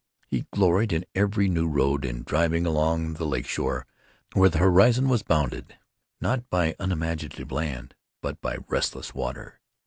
He gloried in every new road, in driving along the Lake Shore, where the horizon was bounded not by unimaginative land, but by restless water.